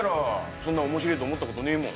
そんなおもしれぇと思ったことねえもん。